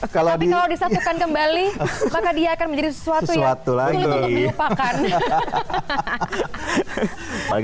kalau disatukan kembali maka dia akan menjadi sesuatu yang untuk diupakan